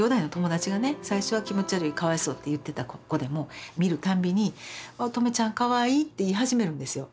最初は気持ち悪いかわいそうって言ってた子でも見るたんびに「音十愛ちゃんかわいい」って言い始めるんですよ。